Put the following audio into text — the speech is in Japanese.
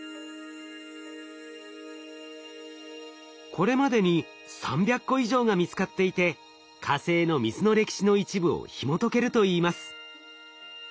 これまでに３００個以上が見つかっていて火星の水の歴史の一部をひもとけるといいます。